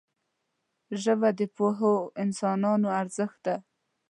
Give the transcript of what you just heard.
ژبه د پوهو انسانانو ارزښت ده